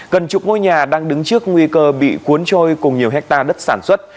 gần chục ngôi nhà đang đứng trước nguy cơ bị cuốn trôi cùng nhiều hectare đất sản xuất